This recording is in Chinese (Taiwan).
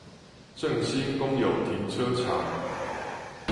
正興公有停車場